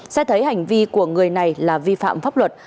xét thấy hành vi của người này là vi phạm pháp luật